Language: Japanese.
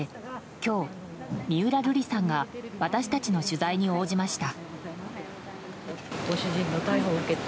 今日、三浦瑠麗さんが私たちの取材に応じました。